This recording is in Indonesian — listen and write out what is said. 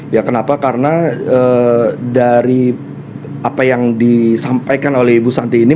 ya kenapa karena dari apa yang disampaikan oleh ibu santi ini